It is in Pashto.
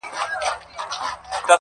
زه به څرنگه دوږخ ته ور روان سم-